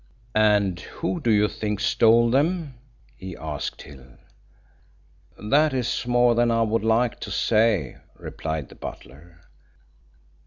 "And who do you think stole them?" he asked Hill. "That is more than I would like to say," replied the butler.